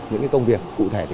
những công việc cụ thể